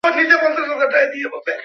ডিমের রং সাদা।